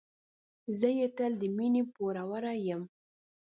زه یې تل د مینې پوروړی یم.